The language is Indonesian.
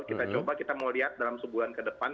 kita coba kita mau lihat dalam sebulan ke depan